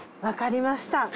分かりました。